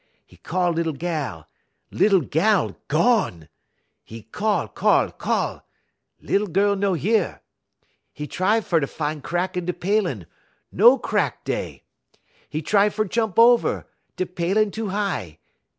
'E call lil gal; lil gal gone! 'E call, call, call; lil gal no yeddy. 'E try fer fine crack in da palin'; no crack dey. 'E try fer jump over; de palin' too high.